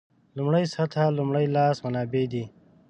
لومړۍ سطح لومړي لاس منابع دي.